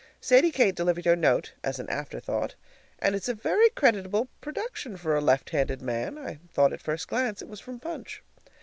Sadie Kate delivered your note (as an afterthought). And it's a very creditable production for a left handed man; I thought at first glance it was from Punch.